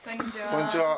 こんにちは。